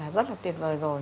rất là tuyệt vời rồi